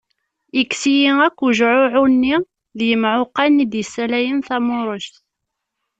Yekkes-iyi akk wejɛuɛu-nni d yemɛuqan i d-yessalayen tamurejt.